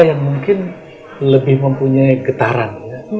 yang mungkin lebih mempunyai getaran